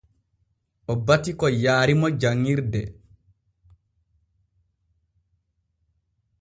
O bati ko yaarimo janŋirde.